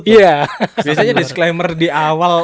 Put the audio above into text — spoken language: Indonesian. biasanya disclaimer di awal